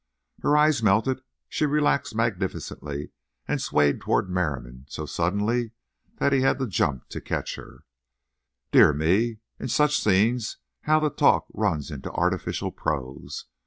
Her eyes melted; she relaxed magnificently and swayed toward Merriam so suddenly that he had to jump to catch her. Dear me! in such scenes how the talk runs into artificial prose.